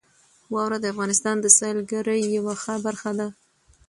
واوره د افغانستان د سیلګرۍ یوه ښه برخه ده.